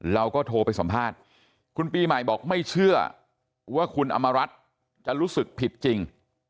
เราก็โทรไปสัมภาษณ์คุณปีใหม่บอกไม่เชื่อว่าคุณอำมารัฐจะรู้สึกผิดจริง